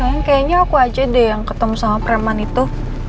yang kayaknya aku aja deh yang ketemu sama preman itu